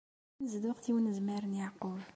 Tanezduɣt i unezmar n Yeɛqub.